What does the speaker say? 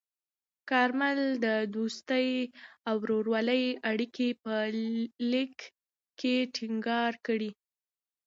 کارمل د دوستۍ او ورورولۍ اړیکې په لیک کې ټینګار کړې.